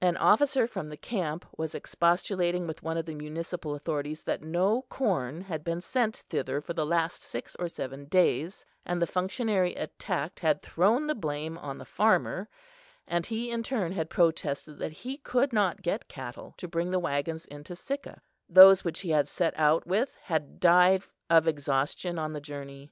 An officer from the camp was expostulating with one of the municipal authorities that no corn had been sent thither for the last six or seven days, and the functionary attacked had thrown the blame on the farmer, and he in turn had protested that he could not get cattle to bring the waggons into Sicca; those which he had set out with had died of exhaustion on the journey.